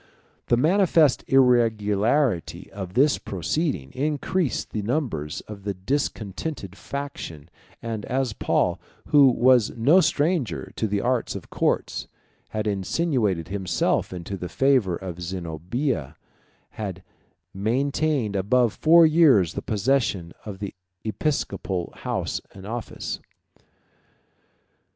The manifest irregularity of this proceeding increased the numbers of the discontented faction; and as Paul, who was no stranger to the arts of courts, had insinuated himself into the favor of Zenobia, he maintained above four years the possession of the episcopal house and office.